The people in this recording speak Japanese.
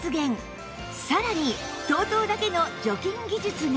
さらに ＴＯＴＯ だけの除菌技術が！